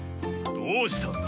どうした？